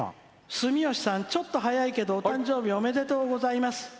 「住吉さん、ちょっと早いけどお誕生日おめでとうございます」。